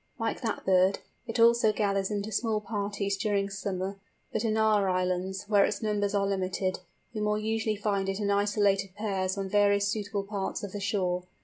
Like that bird, it also gathers into small parties during summer; but in our islands, where its numbers are limited, we more usually find it in isolated pairs on various suitable parts of the shore.